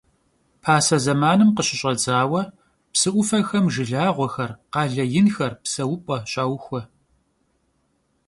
Pase zemanım khışış'edzaue psı 'Ufexem jjılağuexer, khale yinxer, pseup'e şauxue.